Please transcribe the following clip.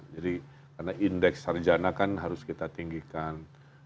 jadi karena indeks sarjana kan harus kita tinggikan